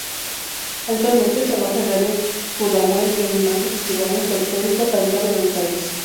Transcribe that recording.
Actualmente trabaja en Radio Pudahuel y animando festivales folclóricos a lo largo del país.